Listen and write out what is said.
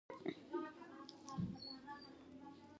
ورزش باید څنګه عام شي؟